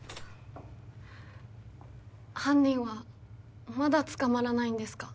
犯人はまだ捕まらないんですか？